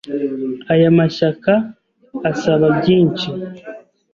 aya mashyaka asaba byinshi